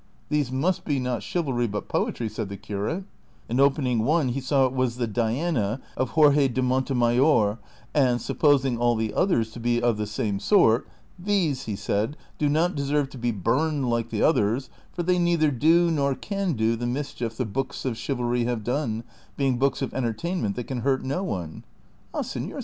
"■ These must be, not chivalry, but poetry," said the curate ; and opening one he saw it was the " Diana " of Jorge de Mon temayor, and, supposing all the others to be of the same sort, '' these," he said, " do not deserve to be burned like the others, for they neither do nor can do the mischief the books of chivalry have done, being books of entertainment that can hurt no one." " Ah, senor